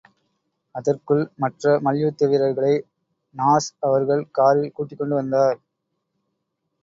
அதற்குள் மற்ற மல்யுத்த வீரர்களை நாஸ் அவர்கள் காரில் கூட்டிக்கொண்டு வந்தார்.